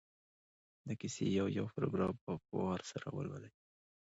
د کیسې یو یو پراګراف په وار سره ولولي.